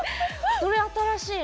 それ新しいな。